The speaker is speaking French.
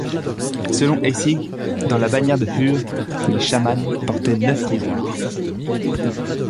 Selon Heissig, dans la bannière de Hure, les chamans portaient neuf miroirs.